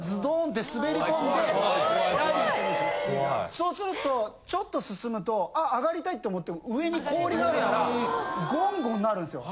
そうするとちょっと進むとあっ上がりたいと思っても上に氷があるからゴンゴンなるんですよ。